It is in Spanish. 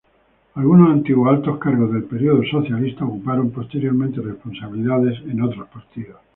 Algunos antiguos altos cargos del período socialista ocuparon posteriormente responsabilidades en otros partidos.